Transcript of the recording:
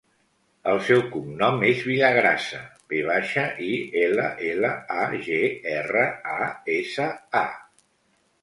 El seu cognom és Villagrasa: ve baixa, i, ela, ela, a, ge, erra, a, essa, a.